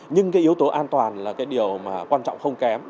nhưng yếu tố an toàn là điều quan trọng không kém